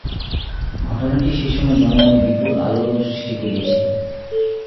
ঘটনাটি সেই সময় জনমনে বিপুল আলোড়ন সৃষ্টি করিয়াছিল।